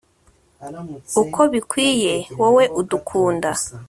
uko bikwiye, wowe udukunda